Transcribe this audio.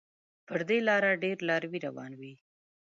پر دې لاره ډېر لاروي روان وي.